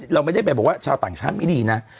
เราไม่ได้ไปบอกว่าชาวต่างชาติไม่ดีนะ